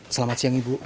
selamat siang ibu